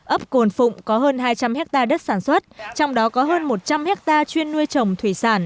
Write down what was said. ấp cồn phụng có hơn hai trăm linh ha đất sản xuất trong đó có hơn một trăm linh ha chuyên nuôi trồng thủy